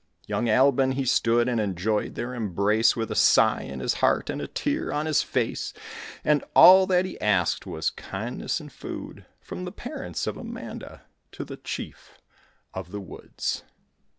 Young Albon, he stood And enjoyed their embrace, With a sigh in his heart And a tear on his face; And all that he asked Was kindness and food From the parents of Amanda To the chief of the woods.